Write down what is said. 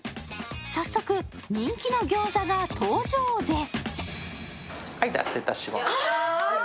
早速、人気の餃子が登場です。